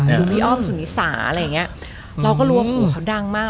หรือพี่อ้อมสุนิสาอะไรอย่างเงี้ยเราก็รู้ว่าครูเขาดังมาก